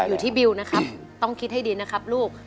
อยู่ที่บิวนะครับต้องคิดให้ดีนะครับลูก